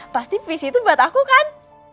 pasti visi itu buat aku kan